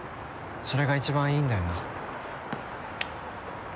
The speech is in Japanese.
それが一番いいんだよな？